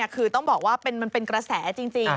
คือต้องบอกว่ามันเป็นกระแสจริง